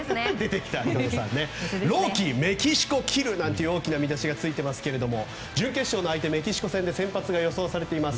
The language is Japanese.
「朗希メキシコ斬る！！」なんて大きな見出しがついていますが準決勝の相手メキシコ戦で先発が予定されています